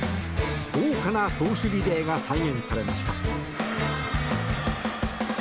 豪華な投手リレーが再現されました。